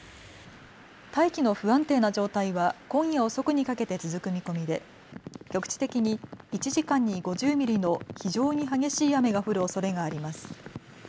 大気の不安定な状態は今夜遅くにかけて続く見込みで局地的に１時間に５０ミリの非常に激しい雨が降るおそれがあります。